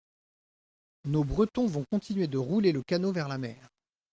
Nos Bretons vont continuer de rouler le canot vers la mer.